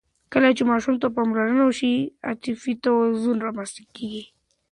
کله چې ماشوم ته پاملرنه وشي، عاطفي توازن رامنځته کېږي.